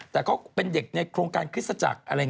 แต่เขาเป็นเด็กในโครงการคริสต์ศัตริย์